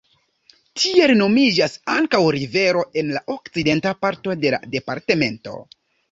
Tiel nomiĝas ankaŭ rivero en la okcidenta parto de la departemento.